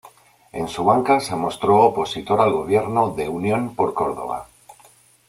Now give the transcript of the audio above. En su banca se mostró opositor al gobierno de Unión por Córdoba.